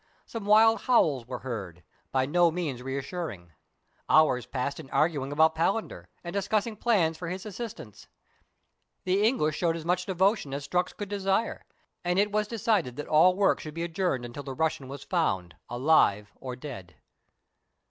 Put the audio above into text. Some wild howls were heard, by no means reassuring. Hours passed in arguing about Palander, and discussing plans for his assistance. The English showed as much loa meridiana; the adventures of devotion as Strux could desire; and it was decided that all work should be adjourned till the Russian was found, alive or dead.